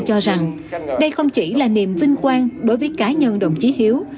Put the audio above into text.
cho rằng đây không chỉ là niềm vinh quang đối với cá nhân đồng chí hiếu